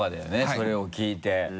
それを聞いて。